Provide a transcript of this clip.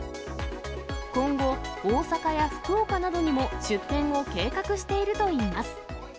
今後、大阪や福岡などにも出店を計画しているといいます。